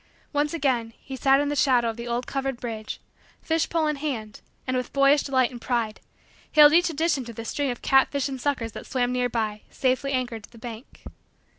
Once again, he sat in the shadow of the old covered bridge, fish pole in hand, and, with boyish delight and pride, hailed each addition to the string of catfish and suckers that swam near by, safely anchored to the bank.